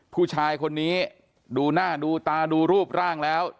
ผู้ชายคนนี้ดูหน้าดูตาดูรูปร่างแล้ว